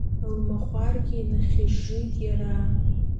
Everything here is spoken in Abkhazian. Лмахәаргьы инахьыжжит иара.